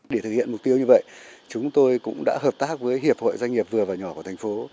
để thực hiện mục tiêu như vậy chúng tôi cũng đã hợp tác với hiệp hội doanh nghiệp vừa và nhỏ của thành phố